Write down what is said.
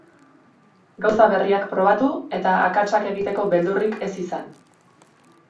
Gauza berriak probatu, eta akatsak egiteko beldurrik ez izan.